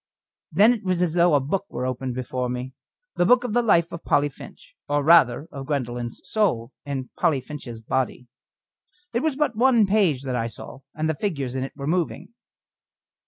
Then it was as though a book were opened before me the book of the life of Polly Finch or rather of Gwendoline's soul in Polly Finch's body. It was but one page that I saw, and the figures in it were moving.